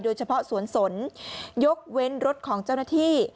โดยเฉพาะสวนสนยกเว้นรถของเจ้าหน้าที่